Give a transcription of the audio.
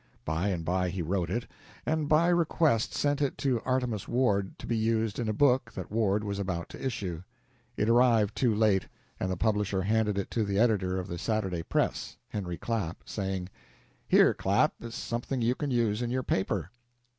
By and by he wrote it, and by request sent it to Artemus Ward to be used in a book that Ward was about to issue. It arrived too late, and the publisher handed it to the editor of the "Saturday Press," Henry Clapp, saying: "Here, Clapp, is something you can use in your paper."